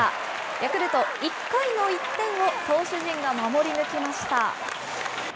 ヤクルト、１回の１点を投手陣が守り抜きました。